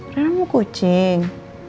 rena mau kucing